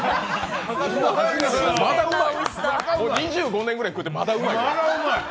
２５年ぐらい食ってまだうまい？